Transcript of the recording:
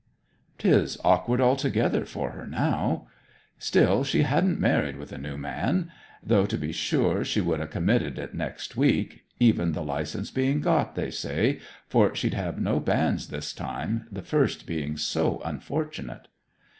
''Tis awkward, altogether, for her now.' 'Still she hadn't married wi' the new man. Though to be sure she would have committed it next week, even the licence being got, they say, for she'd have no banns this time, the first being so unfortunate.'